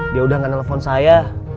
dia udah gak nelfon saya